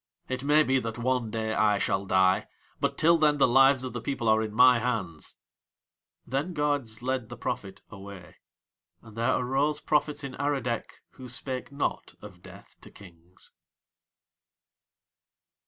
It may be that one day I shall die, but till then the lives of the people are in my hands." Then guards led the prophet away. And there arose prophets in Aradec who spake not of death to Kings.